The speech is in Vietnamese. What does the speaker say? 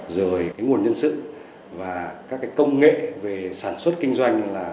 rồi nguồn nhân sự và các công nghệ về sản xuất kinh doanh